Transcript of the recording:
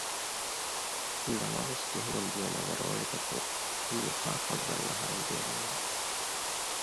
ނަމަވެސް ޖެހެމުންދިޔަ ނަލަ ރޯޅިތަކުން ހިތްއުފާކޮށްލަން އަހަރެން ބޭނުންވި